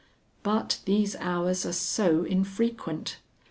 But these hours are so infrequent.